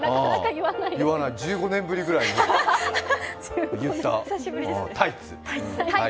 １５年ぶりぐらいに言った、タイツ！